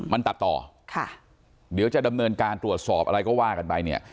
มันตัดต่อค่ะเดี๋ยวจะดำเนินการตรวจสอบอะไรก็ว่ากันไปเนี่ย